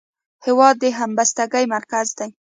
هېواد د همبستګۍ مرکز دی.